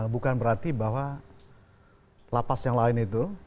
bukan berarti bahwa lapas yang lain itu